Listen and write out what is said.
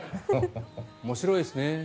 面白いですね。